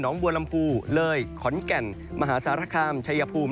บัวลำพูเลยขอนแก่นมหาสารคามชัยภูมิ